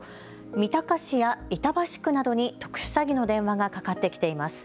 三鷹市や板橋区などに特殊詐欺の電話がかかってきています。